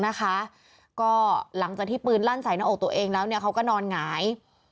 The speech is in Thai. หลังจากที่ปืนลั่นใส่หน้าอกตัวเองแล้วเนี่ยเขาก็นอนหงาย